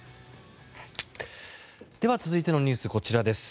では続いてのニュースこちらです。